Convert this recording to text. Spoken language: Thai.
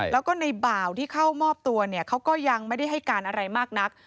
แล้วก็ในบ่าวที่เข้ามอบตัวเนี่ยเขาก็ยังไม่ได้ให้การอะไรมากนัก